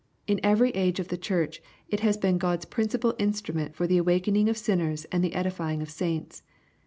In every age of the Church, it has been God's principal instrument for the awakening of sinners and ^tbe edifying of saints.